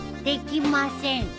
できません。